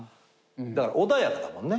だから穏やかだもんね